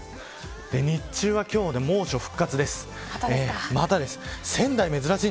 日中は、今日で猛暑復活です。